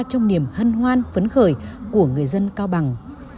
trong niềm hân hoan phấn khởi của người dân cao bằng